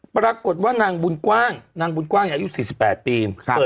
ปรากฏว่านางบุญกว้างนางบุญกว้างอายุสี่สิบแปดปีค่ะ